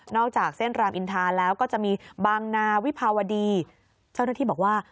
จากเส้นรามอินทาแล้วก็จะมีบางนาวิภาวดีเจ้าหน้าที่บอกว่า